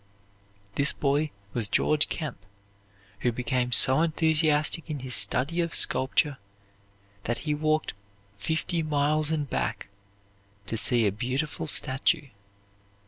This boy was George Kemp, who became so enthusiastic in his study of sculpture that he walked fifty miles and back to see a beautiful statue.